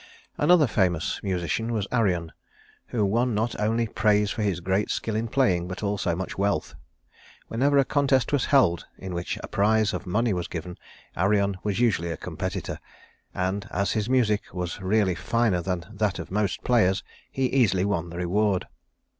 Another famous musician was Arion, who won not only praise for his great skill in playing, but also much wealth. Whenever a contest was held in which a prize of money was given, Arion was usually a competitor; and, as his music was really finer than that of most players, he easily won the reward.